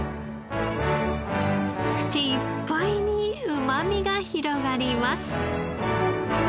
口いっぱいにうまみが広がります。